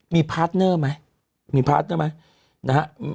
มีพาร์ทเนอร์ไหมมีพาร์ทเนอร์ไหมนะฮะ